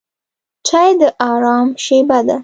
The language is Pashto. چای د آرام شېبه ده.